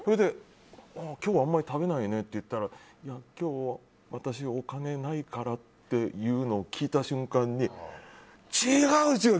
今日はあんまり食べないなって言ったら今日、私お金ないからっていうのを聞いた瞬間に違う違う！